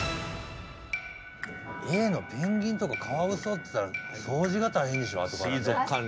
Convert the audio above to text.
Ａのペンギンとカワウソっつったら掃除が大変でしょあとから。